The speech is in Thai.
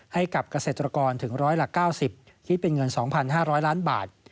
ให้กับเกษตรกรถึงร้อยละ๙๐คิดเป็นเงิน๒๕๐๐ล้านบาท